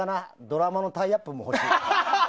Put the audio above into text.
ドラマのタイアップも欲しい。